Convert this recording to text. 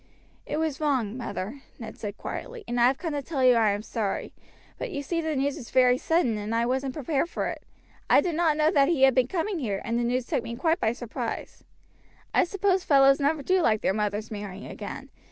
"It was wrong, mother," Ned said quietly, "and I have come to tell you I am sorry; but you see the news was very sudden, and I wasn't prepared for it. I did not know that he had been coming here, and the news took me quite by surprise. I suppose fellows never do like their mothers marrying again.